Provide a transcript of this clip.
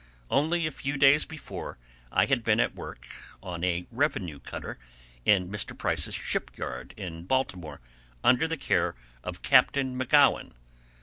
Only a few days before, I had been at work on a revenue cutter, in Mr. Price's ship yard in Baltimore, under the care of Captain McGowan.